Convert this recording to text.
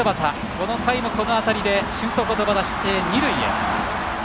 この回も、この当たりで俊足を飛ばして二塁へ。